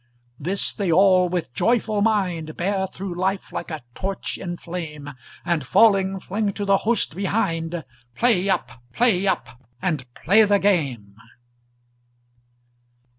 This they all with a joyful mind Bear through life like a torch in flame, And falling fling to the host behind "Play up! play up! and play the game!"